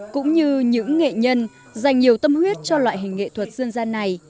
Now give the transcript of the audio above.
cũng như những nghệ nhân dành nhiều tâm huyết cho loại hình nghệ thuật dân gian này